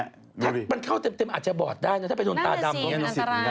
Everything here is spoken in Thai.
แต่มันเข้าเต็มอาจจะบอดได้นะถ้าไปดนตาดำจุดขึ้นก็กระน่ะ